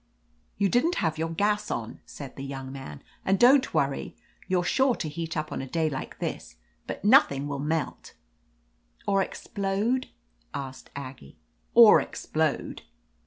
"You didn't have your gas on," said the young man. "And don't worry; you're sure to heat up on a day like this, but nothing will melt" 'Or explode?" asked Aggie. 'Or explode."